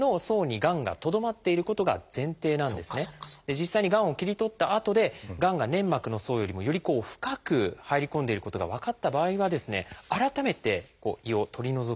実際にがんを切り取ったあとでがんが粘膜の層よりもより深く入り込んでいることが分かった場合は改めて胃を取り除くそういったことをしなければいけなくなるんです。